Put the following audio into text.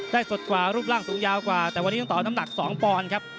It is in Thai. ได้สดกว่ารูปร่างสูงยาวกว่าแต่วันนี้ต่อน้ำหนักสองปอนครับ